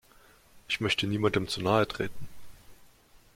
Ich möchte niemandem zu nahe treten.